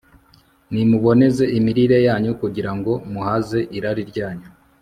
Nimuboneze imirire yanyu Kugira ngo muhaze irari ryanyu